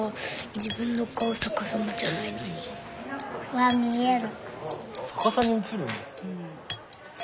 わっ見える。